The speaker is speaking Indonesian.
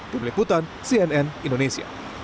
pemilik butan cnn indonesia